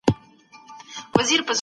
ټمبوسکه زما ورېره ده